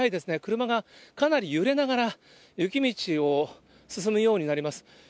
車がかなり揺れながら、雪道を進むようになります。